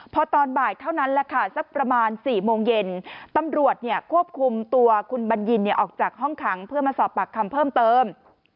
พอตอนบ่ายเท่านั้นแหละค่ะสักประมาณ๔โมงเย็นตำรวจควบคุมตัวคุณบัญญินออกจากห้องขังเพื่อมาสอบปากคำเพิ่มเติม